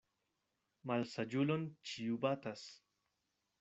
Malsaĝulon ĉiu batas.